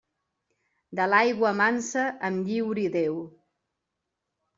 De l'aigua mansa em lliuri Déu.